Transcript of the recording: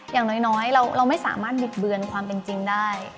อย่างน้อยเราไม่สามารถบิดเบือนความเป็นจริงได้